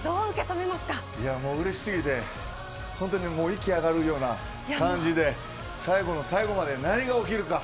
うれしすぎて息上がるような感じで最後の最後まで何が起きるか。